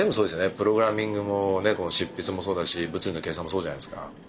プログラミングもこの執筆もそうだし物理の計算もそうじゃないですか。